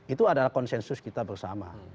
itu adalah konsensus kita bersama